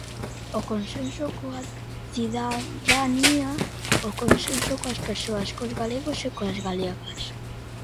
O consenso coa cidadanía, o consenso coas persoas, cos galegos e coas galegas.